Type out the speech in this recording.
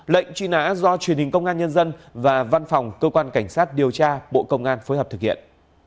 lệnh truy nã do truyền hình công an nhân dân và văn phòng cơ quan cảnh sát điều tra bộ công an phối hợp thực hiện